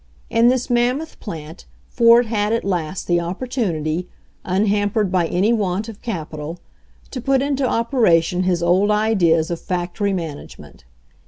In this mammoth plant Ford had at last the opportunity, unhampered by any want of capital, to put into operation his old ideas of factory man agement.